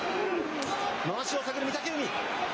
まわしをかける御嶽海。